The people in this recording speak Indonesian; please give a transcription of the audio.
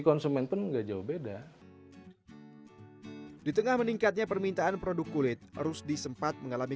konsumen pun enggak jauh beda di tengah meningkatnya permintaan produk kulit rusdi sempat mengalami